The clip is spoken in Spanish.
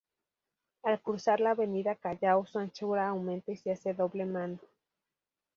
Al cruzar la Avenida Callao su anchura aumenta y se hace doble mano.